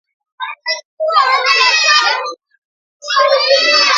The acclaim was unanimous and Marceau's career as a mime was firmly established.